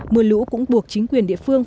mưa lũ cũng buộc chính quyền địa phương